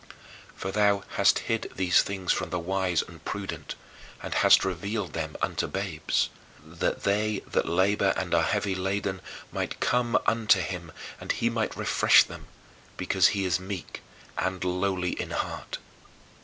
"For thou hast hid these things from the wise and prudent, and hast revealed them unto babes"; that they "that labor and are heavy laden" might "come unto him and he might refresh them" because he is "meek and lowly in heart."